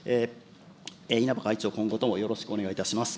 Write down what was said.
稲葉会長、今後ともよろしくお願いいたします。